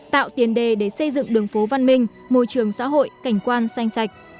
tạo tiền đề để xây dựng đường phố văn minh môi trường xã hội cảnh quan xanh sạch